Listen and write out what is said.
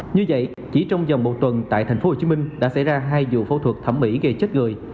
như vậy chỉ trong dòng một tuần tại tp hcm đã xảy ra hai vụ phẫu thuật thẩm mỹ gây chết người